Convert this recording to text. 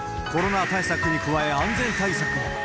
コロナ対策に加え、安全対策も。